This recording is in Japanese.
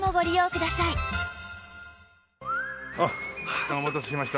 しかもお待たせしました。